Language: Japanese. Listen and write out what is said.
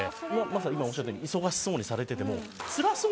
まさに今おっしゃったように忙しそうにされててもつらそうに見えない」